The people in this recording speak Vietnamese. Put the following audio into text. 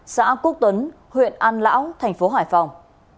xã quốc tuấn huyện an lão thành phố hải phòng